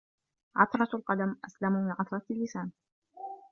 عثرة القدم أسلم من عثرة اللسان